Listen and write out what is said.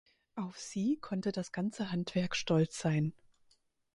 Auf sie konnte das ganze Handwerk stolz sein.